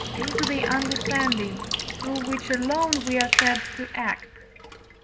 is the understanding, through which alone we are said to act (III.